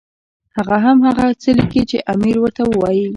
هغه هم هغه څه لیکي چې امیر ورته وایي.